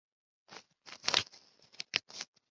泰勒多项式的余数项有助于分析局部截尾误差。